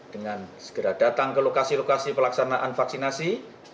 dengan segera datang ke lokasi lokasi pelaksanaan vaksinasi